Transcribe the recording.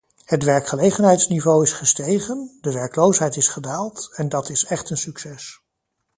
Het werkgelegenheidsniveau is gestegen, de werkloosheid is gedaald, en dat is echt een succes.